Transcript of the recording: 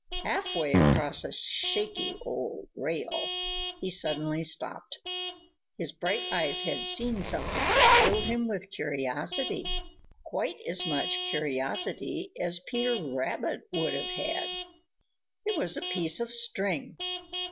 Half way across a shaky old rail, he suddenly stopped. His bright eyes had seen something that filled him with curiosity, quite as much curiosity as Peter Rabbit would have had. It was a piece of string.